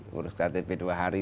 ngurus ktp dua hari